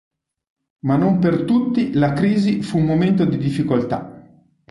Ma non per tutti la Crisi fu un momento di difficoltà.